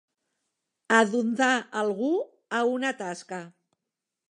Adondar algú a una tasca.